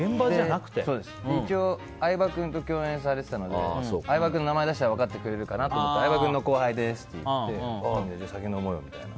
一応、相葉君と共演されてたので相葉君の名前出したら分かってくれるかなと思って相葉君の後輩ですと言って酒飲もうよ！みたいに。